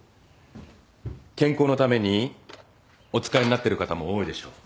健康のためにお使いになってる方も多いでしょう。